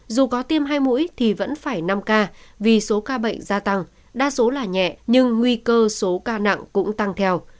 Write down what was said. dù có tiêm hai mũi thì vẫn phải năm ca vì số ca bệnh gia tăng đa số là nhẹ nhưng nguy cơ số ca nặng cũng tăng theo